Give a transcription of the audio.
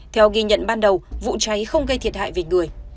theo ghi nhận ban đầu vụ cháy không gây thiệt hại về người